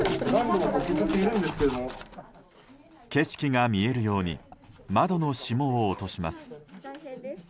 景色が見えるように窓の霜を落とします。